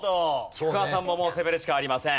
菊川さんももう攻めるしかありません。